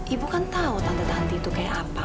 ibu kan tahu tante tante itu kayak apa